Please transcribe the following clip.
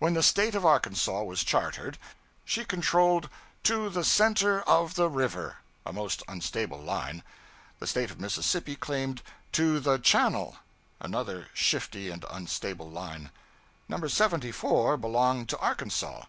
When the State of Arkansas was chartered, she controlled 'to the center of the river' a most unstable line. The State of Mississippi claimed 'to the channel' another shifty and unstable line. No. 74 belonged to Arkansas.